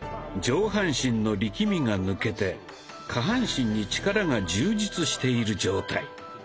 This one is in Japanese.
上半身の力みが抜けて下半身に力が充実している状態。